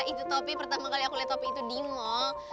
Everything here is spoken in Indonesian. itu topi pertama kali aku lay topi itu di mall